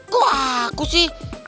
kok aku sih